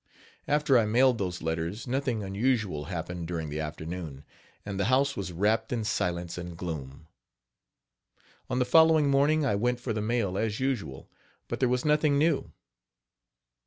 After I mailed those letters nothing unusual happened during the afternoon, and the house was wrapped in silence and gloom. On the following morning I went for the mail as usual, but there was nothing new.